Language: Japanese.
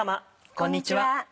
こんにちは。